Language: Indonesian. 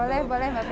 boleh mbak frida